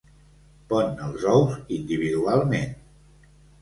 Pon els ous individualment.